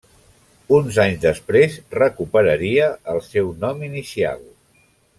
Uns anys després recuperaria el seu nom inicial.